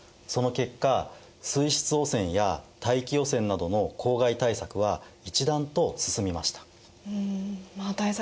その結果水質汚染や大気汚染などの公害対策は一段と進みました。